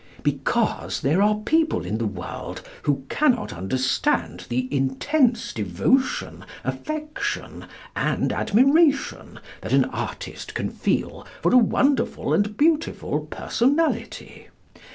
Because there are people in the world who cannot understand the intense devotion, affection and admiration that an artist can feel for a wonderful and beautiful personality.